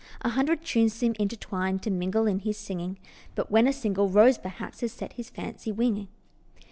A hundred tunes seem intertwined To mingle in his singing, When but a single rose, perhaps, Has set his fancy winging.